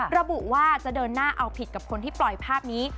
ระบุว่าจะเดินหน้าเอาผิดกับคนที่ปล่อยภาพนี้